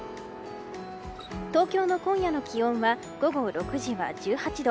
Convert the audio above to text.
東京の今夜の気温は午後６時は１８度。